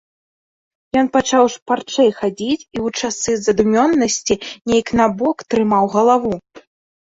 Ён пачаў шпарчэй хадзіць і ў часы задумёнасці нейк набок трымаў галаву.